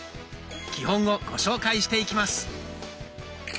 基本をご紹介していきます。